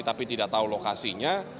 tapi tidak tahu lokasinya